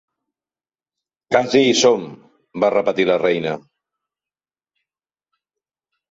"Casi hi som!" va repetir la reina.